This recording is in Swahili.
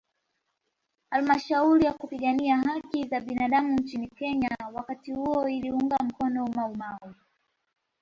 Halmashauri ya kupigania haki za binadamu nchini Kenya wakati huo iliunga mkono maumau